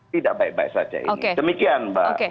tidak baik baik saja ini demikian mbak